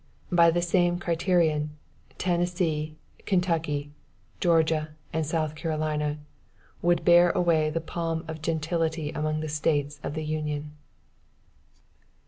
By the same criterion, Tennessee, Kentucky, Georgia and South Carolina, would bear away the palm of gentility among the States of the Union.